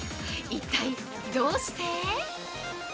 一体、どうして？